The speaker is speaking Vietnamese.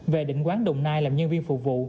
về định quán đồng nai làm nhân viên phục vụ